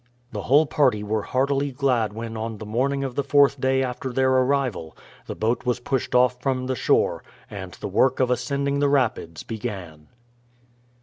The whole party were heartily glad when on the morning of the fourth day after their arrival the boat was pushed off from the shore and the work of ascending the rapids began.